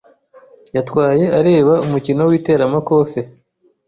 Yatwaye areba umukino w'iteramakofe.